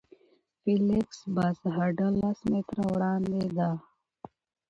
د فلېکس بس هډه لس متره وړاندې ده